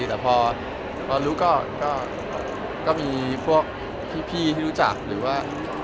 แต่พอรู้ก็มีพวกพี่ที่รู้จักหรือว่า